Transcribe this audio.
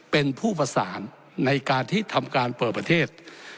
เป็นผู้ประสานในการที่ทำการเปิดประเทศ